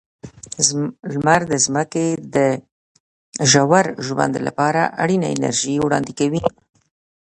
لمر د ځمکې د ژور ژوند لپاره اړینه انرژي وړاندې کوي.